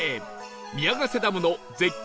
宮ヶ瀬ダムの絶景